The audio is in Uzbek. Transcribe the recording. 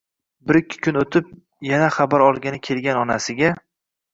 Ikki-uch kun o`tib yana xabar olgani kelgan onasiga